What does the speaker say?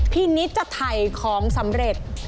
พี่นิดจะไถ่ของสำเร็จ